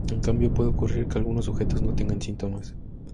En cambio puede ocurrir que algunos sujetos no tengan síntomas.